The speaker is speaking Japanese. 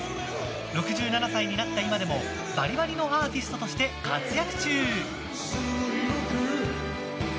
６７歳になった今でもバリバリのアーティストとして活躍中。